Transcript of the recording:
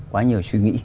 quá nhiều suy nghĩ